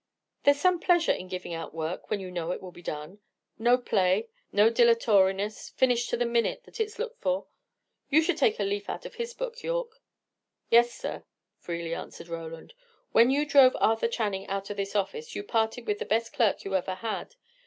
"There's some pleasure in giving out work when you know it will be done. No play no dilatoriness finished to the minute that it's looked for! You should take a leaf out of his book, Yorke." "Yes, sir," freely answered Roland. "When you drove Arthur Channing out of this office, you parted with the best clerk you ever had.